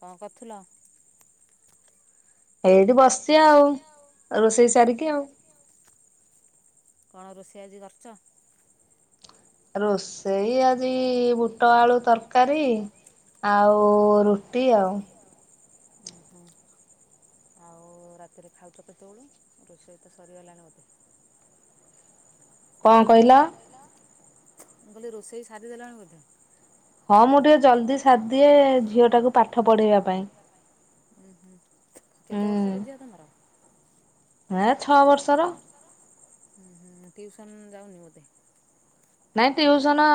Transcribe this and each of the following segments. କଣ କରୁଥିଲ। ଏଇଠି ବସିଛି ଆଉ ରୋଷେଇ ସାରିକି ଆଉ। କଣ ରୋଷେଇ ଆଜି କରିଛ? ରୋଷେଇ ଆଜି ବୁଟ ଆଳୁ ତରକାରୀ ଆଉ ରୁଟି ଆଉ। ଉ ହୁଁ ଆଉ। କଣ କହିଲ। ମୁଁ କହିଲି ରୋଷେଇ ସାରିଦେଲଣି ବୋଧେ। ହଁ ମୁଁ ଟିକେ ଜଲଦି ସାଥ ଦିଏ ଝିଅଟାକୁ ପାଠ ପଢେଇବା ପାଇଁ। ଉଁ ହୁଁ କେତେ ବର୍ଷରେ ଝିଅ ତମର? ହଁ ଛଅ ବର୍ଷର। ହଁ ହୁଁ ଟ୍ୟୁଶନ୍ ଯାଉନି ବୋଧେ। ନାଇଁ ଟିଉସନ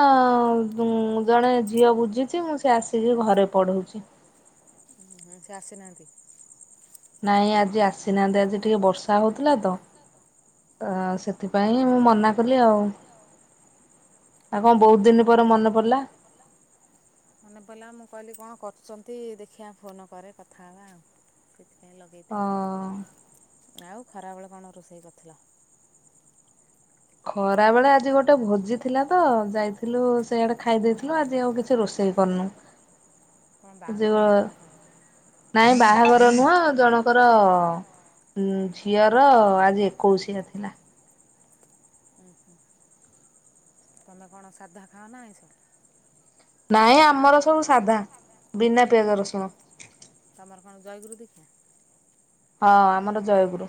ଉଁ ଜଣେ ଝିଅ ବୁଝିଛି ମୁଁ ସେ ଆସିକି ଘରେ ପଢଉଛି। ସେ ଆସିନାହାନ୍ତି। ନାଇଁ ଆଜି ଆସିନାହାନ୍ତି ଆଜି ଟିକେ ମୁ ବର୍ଷା କହିଲ କଣ? କରୁଛନ୍ତି ଦେଖିବା ଫୋନ କରେ କଥା ହେବା ଆଉ ସେଥିପାଇଁ। ପାଇଁ ଲଗେଇଥିଲି ଆଉ ଆଉ [unintelligible] ଖରା ବେଳେ ଆଜି ଗୋଟେ ଭୋଜି ଥିଲା ତ ଯାଇଥିଲୁ ସେଇଆଡେ ଖାଇ ଦେଇଥିଲୁ ଆଜି ଆଉ କିଛି ରୋଷେଇ କରନୁ। ନାଇଁ ବାହାଘର ନୁହଁ ଜଣଙ୍କର ଝିଅର ଆଜି ଏକୋଇଶିଆ ଥିଲା। ଉ ହ ତମେ କଣ ସାଧା ଖାଅ ନା ଏସ ନାଇଁ ଆମର ସବୁ ସାଧା ବିନା ପିଆକ ରସୁଣ। ହଁ ଆମର ଜୟଗରୁ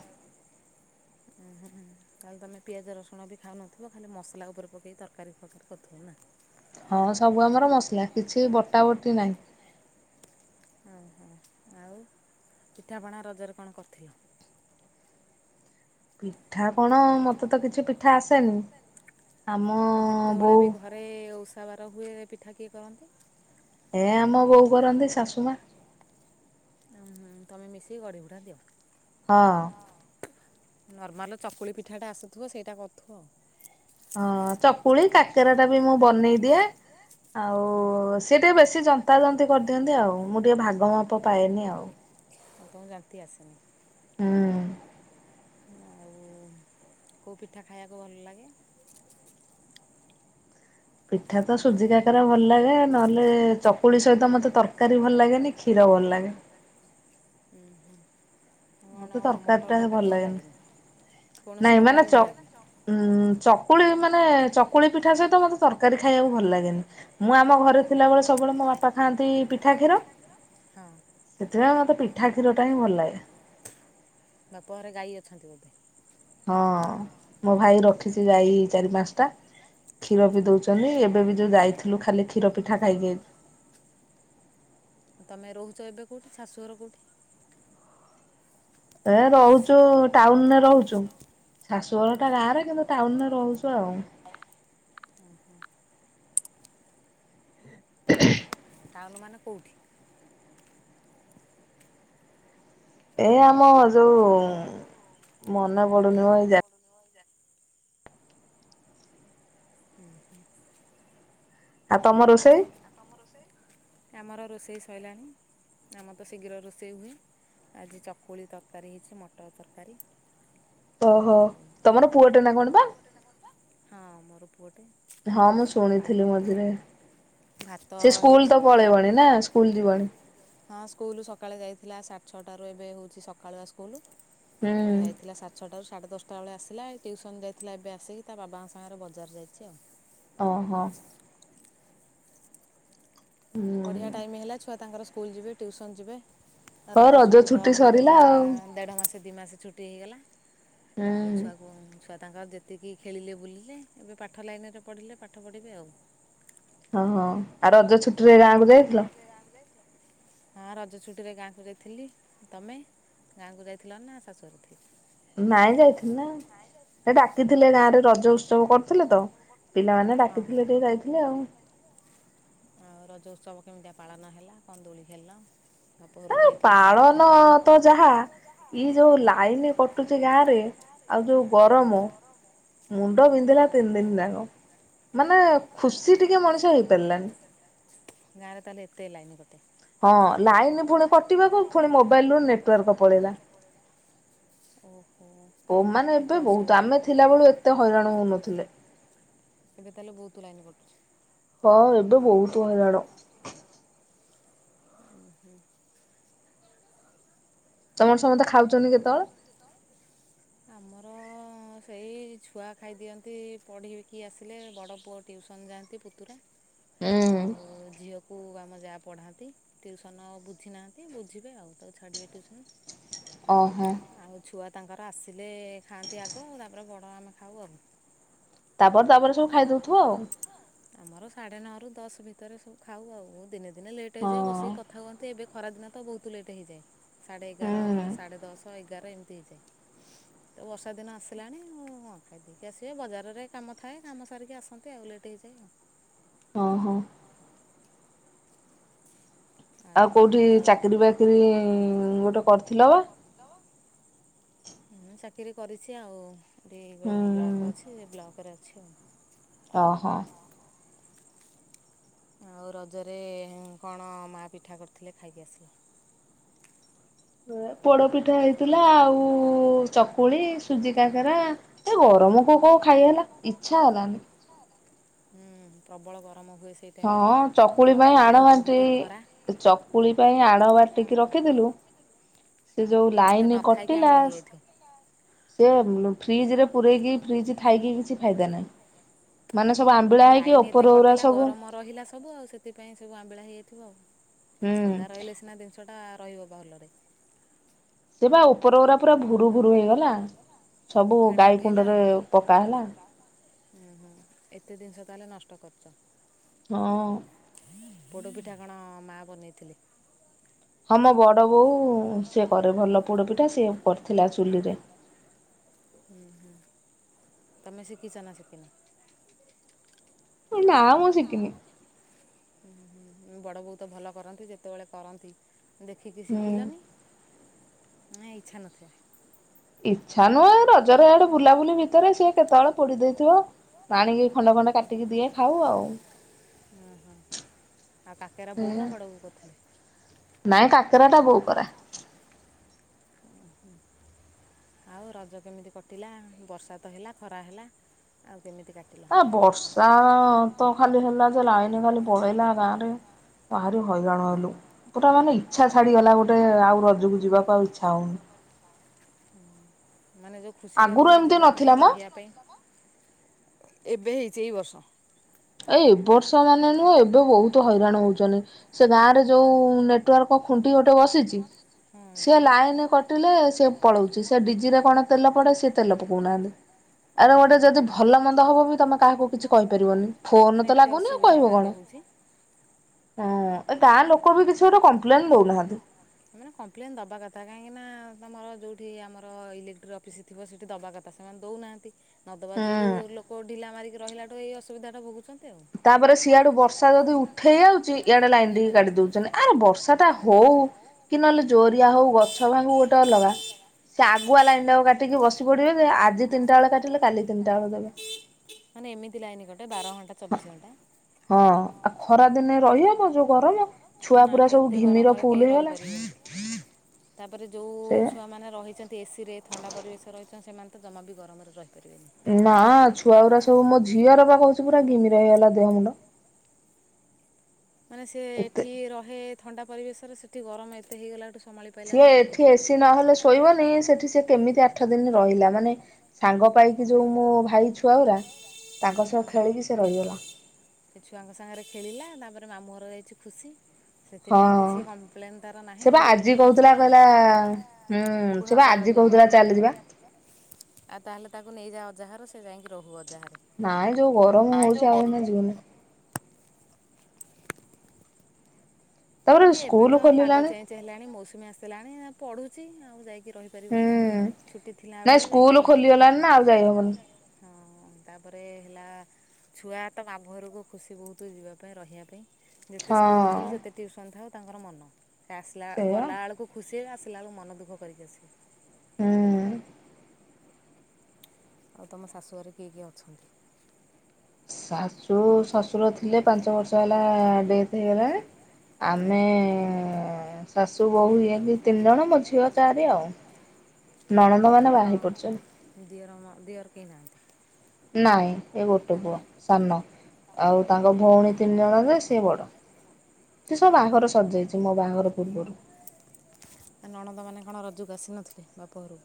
ତାାଲେ ତମେ ପିଆଜ ରସଣ ବି ଖାଉନଥିବ ଖାଲି ମସଲା ଉପରେ ପକେଇକି ତରକାରୀ ଫରକାରୀ କରୁଥିବ ନା। ହଁ ସବୁ ଆମର ମସଲା କିଛି ବଟା ବଟି ନାହିଁ। ଓହୋ ଆଉ ପିଠାପଣା ରଜରେ କଣ କରିଥିଲ। ପିଠା କଣ ମତେ ତ କିଛି ପିଠା ଆସେନି ଆମ ବୋଉ କବାର ହୁଏ ପିଠା କିଏ କରନ୍ତି। ଏ ଆମ ବୋଉ କରରନ୍ତିି ଶାଶୁମା। ଉ ହୁଁ ତମେ ମିଶିକି ଗଡିିବୁଡା ଦିଅ। ହଁ। ନର୍ମାଲ ଚକୁଳି ପିଠାଟା ଆସୁଥିବ ସେଇଟା କରୁଥିବ ଆଉ। ହଁ ଚକୁଳି କାକେରା ଟା ବି ମୁଁ ବନେଇ ଦିଆ ଆଉ ସିଏ ଟିକେ ବେଶୀ ଯନ୍ତାଜନ୍ତୀ କରିଦିଅନ୍ତି ଆଉ ମୁଁ ଟିକିେ ଭାଗ ମାପ ପାଏନି ଆଉ ହଁ ଆଉ କେଉ ପିଠା ଖାଇବାକୁ ଭଲ ଲାଗେ ପିଠା ତ ସୁଜି କାକରା ଭଲ ଲାଗେ ନହେଲେ ଚକୁଳି ସହିତ ମତେ ତରକାରୀ ଭଲ ଲାଗେନି କ୍ଷୀର ଭଲ ଲାଗେ। ମତେ ତରକାରୀ ଟା ଭଲ ଲାଗେନି ନାଇଁ ମାନେ ଉଁ ଚକୁଳି ମାନେ ଚକୁଳି ପିଠା ସହିତ ମତେ ତରକାରୀ ଖାଇବାକୁ ଭଲ। ଭଲ ଲାଗେନି ମୁଁ ଆମ ଘରେ ଥିଲାବେଳେ ସବୁବେଳେ ମୋ ବାପା ଖାଆନ୍ତି ପିଠା କ୍ଷୀର ସେଥିପାଇଁ ମତେ ପିଠା କ୍ଷୀର ଟା ହିଁ ଭଲ ଲାଗେ। ବାପରେ ଗାଈ ଅଛନ୍ତି ବୋଧେ ହଁ ମୋ ଭାଇ ରଖିଛି ଯାଇ ଚାରି ପାଞ୍ଚଟା କ୍ଷୀର ବି ଦଉଛନ୍ତି। କେବେବ ଯୋଉ ଯାଇଥିଲୁ ଖାଲି କ୍ଷୀର ପିଠା ଖାଇକି। ତମେ ରହୁଛ ଏବେ କୋଉଠି ଶାଶୁଘର କୋଉଠି। ଏ ରହୁଛୁ ଟାଉନରେ ରହୁଛୁ ଶାଶୁଘର ଟା ଗାଁରେ କିନ୍ତୁ ଟାଉନରେ ରହୁଛୁ ଆଉ। ହୁଁ ହୁଁ। ଟାଉନୁ ମାନେ କୋଉଠି? ଏ ଆମ ମ ଯୋଉ ମନେ ପଡୁନି ଏଇ [unintelligible] ଆଉ ତମ ରୋଷେଇ। ରୋସେଇ ଆମର ରୋଷେଇ ସରିଲାଣି ଆମ ତ ଶୀଘ୍ର ରୋଷେଇ ହୁଏ ଆଜି ଚକୁଳି ତରକାରୀ ହେଇଛି ମଟର ତରକାରୀ। ଓହୋ ତମର ପୁଅ ଟେ ନା କଣ ବା? ହଁ ମୋର ହଁ ମୁଁ ଶୁଣିଥିଲି ମଝିରେ। ତ ହେଇଛି ଆଉ [unintelligible] ହଁ ସ୍କୁଲ ସକାଳେ ଯା ଥିଲା ସାଢ଼େ ଛଅଟାରୁ ଏବେ ହେଉଛି ସକାଳୁଆ ସ୍କୁଲ୍। ଯାଇଥିଲା ସାଢ଼େ ଛଅଟାରୁ। ସାଢ଼େ ଦଶଟା ବେଳେ ଆସିଲା ଟ୍ୟୁସନ୍ ଯାଇଥିଲା ଏବେ ଆସିକି ତା ବାବାଙ୍କ ସାଙ୍ଗରେ ବଜାର ଯାଇଛି ଆଉ। ଓ ହୋ। ପଢିବା ଟାଇମ ହେଲା ଛୁଆ ତାଙ୍କର ସ୍କୁଲ ଯିବେ ଟ୍ୟୁସନ ଯିବେ। ରଜ ଛୁଟି ତ ହେଇଗଲା ଦେଢ ମାସ। ଦୁଇ ମାସ ଛୁଟି ହେଇଗଲା। ଆଉ ଛୁଆକୁ ତାଙ୍କ ଯେତିକି ଖେଳିଲେ ବୁଲିଲେ ଏବେ ପାଠ ଲାଇନ୍ ପଢ଼ିଲେ ପାଠ ପଢ଼ିବେ ଆଉ। ହଁ ହଁ ଆଉ ରଜ ଛୁ ରେ ଗାଁକୁ ଯାଇଥିଲ। ହଁ ରଜ ଛୁଟି ରେ ଗାଁକୁ ଯାଇଥିଲି। ତମେ ଗାଁକୁ ଯାଇଥିଲ ନା ଶାଶୁଘରେ। ନାଇଁ ଯାଇଥିଲି ନା ଡାକିଥିଲେ ଗାଁରେ ରଜ ଉତ୍ସବ କରିଥିଲେ ତ ପିଲାମାନେ ଡାକିଥିଲେ ଟିକେ ଯାଇଥିଲେ ଆଉ। ସବୁ କେମିତିଆ ପାଳନ ହେଲା କଣ ଦୋଳି ଖେଳିଲ। ପାଳନ ତ ଯାହା ଇ ଯୋଉ ଲାଇନ କଟୁଛି ଗାଁରେ ଆଉ ଯୋଉ ଗରମ ମୁଣ୍ଡ ବିନ୍ଧିଲା ତିନି ଦିନ ଯାକ ମାନେ ଖୁସି ଟିକେ ମଣିଷ ହେଇପାରିଲାନି। ଗାଁରେ ତାହେଲେ ଏତେ ଲାଇନ କ। [inaudible] ହଁ ଲାଇନ ପୁଣି କଟିବାକୁ ପୁଣି ମୋବାଇଲ ରୁ ନେଟୱାର୍କ ପଳେଇଲା। ଓମାନେ ଏବେ ବହୁତ ଆମେ ଥିଲା ବେଳୁ ଏତେ ହଇରାଣ ହଉନଥିଲେ। ହଁ ଏବେ ବହୁତ ହଇରାଣ। [inaudible] ତମର ସମସ୍ତେ ଖାଉଛନ୍ତି କେତେବେଳେ? ମୋର ସେଇ ଛୁଆ ଖାଇଦିଅନ୍ତି ପଢ଼ିକି ଆସିଲେ ବଡ଼ ପୁଅ ଟିଉସନ୍ ଯାଆନ୍ତି ପୁତୁରା ହୁଁ। ପୁଅକୁ ଆମ ଯା ପଢ଼ାନ୍ତି ଟ୍ୟୁସନ ଆଉ ବୁଝି ନାହାନ୍ତି ବୁଝିବେ ଆଉ ତାକୁ ଛାଡ଼ିବେ ଟିଉସନ୍। ଓହୋ। ତାଙ୍କର ଆସିଲେ ଖାଆନ୍ତି ଆଗ ଆଉ ତାପରେ ବଡ଼ ଆମେ ଖାଉ ଆଉ। ତାପରେ ତାପରେ ସବୁ ଖାଇଦଉଥୁବ ଆଉ? ଆମର ସାଢେ ନଅ ରୁ ଦଶ ଭିତରେ ସବୁ ଖାଉ ଆଉ ଦିନେ ଦିନ ଲେଟ୍ ହେଇଯାଏ ବସିକି କଥା ହୁଅନ୍ତି ଏବେ ଖରାଦିନ ତ ବହୁତ ଲେଟ୍ ହେଇଯାଏ। ସଢ଼େ ଏଗାର। ଶହ ଏଗାର ଏମିତି ହେଇଯାଏ ତ ବର୍ଷା ଦିନ ଆସିଲାଣି ଆଉ ଖାଇଦେଇକି ଆସିବେ ବଜାରରେ କାମ ଥାଏ କାମ ସାରିକି ଆସନ୍ତି ଆଉ ଲେଟ୍ ହେଇଯାଏ ଆଉ। ଓ ହୋ। ଆଉ କୋଉଠି ଚାକିରି ବାକିରି ଗୋଟେ କରିଥିଲ ବା? ଚାକିରି କରିଚି ଆଉ। ଏଇ ବ ବ୍ଲକ ଅଛି ବ୍ଲକ ରେ ଛି। ଅ ହଁ। ଆଉ ରଜରେ କଣ ମା ପିଠା କରିଥିଲେ ଖାଇକି ଆସିଲ? ବୁଏ। ପୋଡ଼ପିଠା ହେଇଥିଲା ଆଉ ଚକୁଳି ସୁଜି କାକରା ଏ ଗରମକୁ କଉ ଖାଇ ହେଲା ଇଚ୍ଛା ହେଲାନି। ହୁଁ ପ୍ରବଳ ଗ ହଁ ଚକୁଳି ପାଇଁ ଆଣ ବାଟି ଚକୁଳି ପାଇଁ ଆଣ ବାଟିକି ରଖିଥିଲୁ। ସେ ଯୋଉ ଲାଇନ କଟିଲା ସ୍। ସିଏ ବ୍ଲୁ ଫ୍ରିଜ୍ ରେ ପୁରେଇକି ଫ୍ରିଜ ଥାଇକି କିଛି ଫାଇଦା ନାଇଁ। ମାନେ ସବୁ ଆମ୍ବିଳା ହେଇକି ଓପରଉରା ସବୁ ରହିଲା ସବୁ ଆଉ ସେଥିପାଇଁ ସବୁ ଆମ୍ବିଳା ହେଇଯାଇଥିବ ଆଉ। ଥଣ୍ଡା ରହିଲେ ସିନା ଜିନିଷ ଟା ରହିବ ଭଲରେ। ସେ ବା ଉପର ଗୁରା ପୁରା ଭୁରୁ ଭୁରୁ ହେଇଗଲା ସବୁ ଗାଈ କୁଣ୍ଡରେ ପକା ହେଲା। ତାଏଲେ ନଷ୍ଟ କରୁଚ଼। ହଁ। ପୋଡ ପିଠା କଣ ମା ବନେଇଥିଲେ? ହଁ ମୋ ବଡ ବୋଉ ସିଏ କରେ ଭଲ ପୋଡ ପିଠା ସିଏ କରିଥିଲା ଚୁଲିରେ। ତମେ ଶିକିଚ଼ ନା ଶିକିନ? ନାଁ ମୁଁ ଶିକିନି। ବଡ଼ବୋଉ ତ ଭଲ କରନ୍ତି ଯେତେବେଳେ କରନ୍ତି। ଦେଖିକି ଶିଖିଲନି? ନା ଇଚ୍ଛା ନଥିଲା। ଛା ନୁ ଏ ରଜରେ ଆଡ଼େ ବୁଲାବୁଲି ଭିତରେ ସିଏ କେତେବେଳେ ପୋଡି ଦେଇଥିବ ଆଣିକି ଖଣ୍ଡେ ଖଣ୍ଡେ କାଟିକି ଦିଏ ଖାଉ ଆଉ ନାଇଁ କାକରା ଟା ବୋଉ କରେ। ଆଉ ରଜ କେମିତି କଟିଲା ବର୍ଷା ତ ହେଲା ଖରା ହେଲା ଆଉ? ଆ ବର୍ଷା ତ ଖାଲି ହେଲା ଯେ ଲାଇନି ଖାଲି ପଳେଇଲା ଗାଁ ରେ ଭାରି ଅ ହଇରାଣ ହେଲୁ ପୁରା ମାନେ ଇଚ୍ଛା ଛାଡ଼ିଗଲା ଗୋଟେ ଆଉ ରଜ କୁ ଯିବା ପାଉ ଇଚ୍ଛା ଆଉ। [inaudible] ମାନେ ଯୋଉ ଖୁସି ଟା ଥିଲା ଯିବା ପାଇଁ [inaudible] ରହିବା ପାଇଁ ଏବେ ହେଇ ସେଇ ବର୍ଷ। ଏଇ ବର୍ଷ ମାନେ ନୁହଁ ଏବ୍ ଏବେ ବହୁତ ହଇରାଣ ହଉଛନ୍ତି। ସେ ଗାଁରେ ଯେଉଁ ନେଟୱାର୍କ ଖୁଣ୍ଟି ଗୋଟେ ବସିଛି ସେ ଲାଇନ୍ କଟିଲେ ସେ ପଳାଉଛି ସେ ଡିଜିରେ କଣ ତେଲ ପଡ଼େ ସେ ତେଲ ପକାଉନାହାନ୍ତି ଆରେ ଗୋଟେ ଯଦି ଭଲ ମନ୍ଦ ହବ ବି ତମେ କାହାକୁ କିଛି କହିପାରିବନି। ଫୋନ ତ ଲାଗୁନି ଆଉ କହିବ କଣ ହଁ। ବାଥା କାହିଁକି ନା [inaudible] ତମର ଯେଉଁି ଆମରଇଲେକ୍ଟ୍ରିକ୍ ଅଫିସ୍ ଥିବ ସେଇଠି ଦେବା କଥା ସେମାନେ ଦେଉନାହାନ୍ତି। ନଦବା ଯୋଗୁ ଲୋକ ଢିଲା ମାରିକି ରହିଲା। ଏ ଅସୁବିଧା ଟା ଭୋଗୁଛନ୍ତି। ତାପରେ ସିଆଡୁ ବର୍ଷା ଯଦି ଉଠେଇ ଯାଉଛି ଇଆଡେ ଲାଇନ। ଲନ ଟ କାଟି ଦଉଛନ୍ତି ଆ ବର୍ଷା ଟା ହଉ କି ନହେଲେ ଜୋରିଆ ହଉ ଗଛ ଭାଙ୍ଗୁ ଗୋଟେ ଅଲଗା ସେ ଆଗୁଆ ଲାଇନ ଟାକୁ କାଟିକି ବସି ପଡିବେ ଯେ ଆଜି ତିନିଟା ବେଳେ କାଟିଲେ କାଲି ତିନିଟା ବେଳେ ଦେବେ। ହଁ ଆଉ ଖରା ଦିନେ ରହିବା ମ ଯୋଉ କ ଛୁଆ ପୁରା ସବୁ ଘିମିର ଫୁଲ ହେଇଗଲାଣି। ତାପରେ ଯୋଉ ଛୁଆମାନୋନେ ରହିଛନ୍ତି। ତ ଏସି ରେ ଥଣ୍ଡା ପରିବେଶ ରହିଛ ସେମାନେ ତ ଜମା ବି ଗରମରେ ରହିବ। ନା ଛୁଆଗୁଡା ସବୁ ମୋ ଝିଅର ପାଖଉଛି ପୁରା ଘିମିରା ହେଇଗଲା ଦେହ ମୁଣ୍ଡ। ମାନେ ସେ ଏଠି ରହେ। ଥଣ୍ଡା ପରିବେଶରେ ସେଠି ଗରମ ଏତେ ହେଇଗଲାଠୁ। ସମାଳି ପାଇଲାନି ଆଉ ସିଏ ଏଠି ଏସି ନହେଲେ ଶୋଇବନି ସେଠି ସିଏ କେମିତି ଆଠଦିନ ରହିଲା ମାନେ ସାଙ୍ଗ ପାଇକି [inaudible] ମୋ ମାମଁ ଘର ଯାଇଛି ଖୁସି। ହଁ ସେ ବା ଆଜି କହୁଥିଲା କହିଲା ହଁ ସେ ବା ଆଜି କହୁଥିଲା ଚାଲ ଯିବା। ଆଉ ତାହେଲେ ତାକୁ ନେଇଯା ଅଜାଘର ସେ ଯାଇକି ରହୁଅ। ନାଇଁ ଯଉ ଗରମ ହଉଛି ଆଉ ମୁଁ ଯିବିନି। ଏ ଏବେ ତ ପାଗ ଚେଞ୍ଚ ହେଲାଣି ମୌସୁମୀ ଆସିଲାଣି ନା। ପଢୁଛି ଆଉ ଯାଇକି। ରହିପାରିବନି ଛୁଟି ଥିଲା ବେଳେ ଯାଇକି ରହିଥିଲା। ନା ସ୍କୁଲ ଖୋଲିଗଲାଣି ନା ଆଉ ଯାଇ ହବନି। ହଁ ତାପରେ ହେଲା ଛୁଆ ତ ବାଭରକୁ ଖୁସି ବହୁତ ଯିବା ପାଇଁ ରହିବା ପାଇଁ। ଯେତେ ସ୍କୁଲ ଖୋଲୁ ଯେତେ। ସନ୍ଧ୍ୟା ଆଉ ତାଙ୍କର ମନ। ସେ ଆସିଲା ଗଲା ବେଳକୁ ଖୁସିରେ ଆସିଲ। ଲାବେେୁ ମନ ଦୁଃଖ କରିକି ଆସ। [inaudible] ହୁଁ। ଆଉ ତମ ଶାଶୁଘରେ କିଏ କିଏ ଅଛନ୍ତି। ଶାଶୁ ଶାଶୁର ଥିଲେ ପାଞ୍ଚ ବର୍ଷ ହେଲା ଡେଥ୍ ହେଇଗଲା ଆମେ ବୋଉ ତିନି ଜଣ ମୋ ଝିଅ ଚାରି ଆଉ ନଣନ୍ଦ ମାନେ ବାହାରି ପଡୁଛ, ନାଇଁ। ଏ ଗୋଟେ ପୁଅ ସାନ ଆଉ ତାଙ୍କ ଭଉଣୀ ତିନି ଜଣ ଯେ ସିଏ ବଡ ସେ ସବୁ ବାହାଘର ସଜେଇଛି ମୋ ବାହାଘର ପୂର୍ବରୁ କପଣ ରଜୁକୁ ଆସିନଥିଲେ ବାପରୁ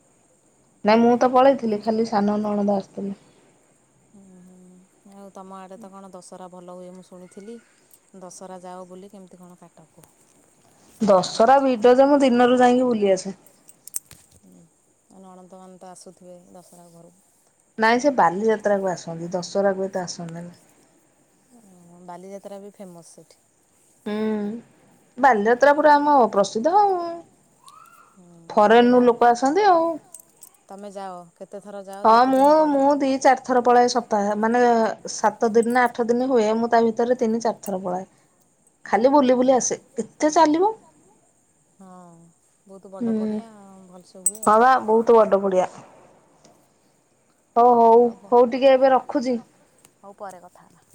ନାଇଁ ମୁଁ ତ ପଳେଇଥିଲି ଖାଲି ସାନ ନଣନ୍ଦ ଆସିଥିଲି ହୁଁ ହୁଁ ହଉ ତମ ଆଡ଼େ ତ କଣ ଦଶହରା ଭଲ ହୁଏ ମୁଁ ଶୁଣିଥିଲି ଦଶହରା ଯାଅ ବୋଲି କେମିତି କଣ କାଟକୁ ଦଶହରା ଭିଡ ଯେ ମୁଁ ଦିନରୁ ଯାଇକି ବୁଲି ଆସେ ନଣନ୍ତକାଣନ୍ତ ଆସୁଥିବେ ଦଶହରା ଘରକୁ ନାଇଁ ସେ ବାଲିଯାତ୍ରା କ ଆସନ୍ତି ଦଶହରା କୁ ଏତ ଆସନ୍ତିନି ବାଲିଯାତ୍ରା ବି ଫେମସ୍ ସେଇଠି ହୁଁ ବାଲିଯାତ୍ରା ପୁରା ଆମ ପ୍ରସିଦ୍ଧ ହଉ ଫରେନରୁୁ ଲୋକ ଆସନ୍ତି ଆଉ ହଁ ମୁଁ ମୁଁ ଦି ଚାରି ଥର ପଳେଇ ସପ୍ତାହ ମାନେ ସାତ ଦିନ ନା ଆଠ ଦିନ ହୁଏ ମୁଁ ତା ଭିତରେ ତିନି ଚାରିଥର ପଳାଏ ହଁ [inaudible] ବହୁତ ବଡ ପଡିଆ ଭଲସେ ହୁଏ ଆଉ ହଉ ହଉ ହଉ ଟିକେ ଏବେ ରଖୁଛି, ହଉ ପରେ କଥା ହେଲା